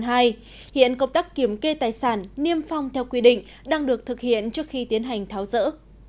hiện công tác kiểm kê tài sản niêm phong theo quy định đang được thực hiện trước khi tiến hành tháo rỡ